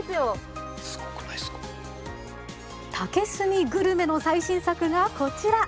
竹炭グルメの最新作がこちら。